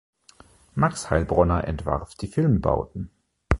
Max Heilbronner entwarf die Filmbauten.